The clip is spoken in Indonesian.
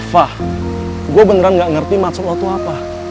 fah gue beneran gak ngerti maksud lo itu apa